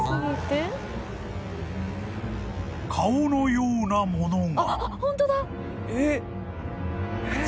［顔のようなものが］